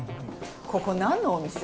ここ何のお店？